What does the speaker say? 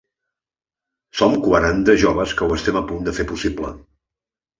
Som quaranta joves que ho estem a punt de fer possible!